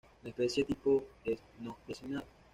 La especie tipo es: no designada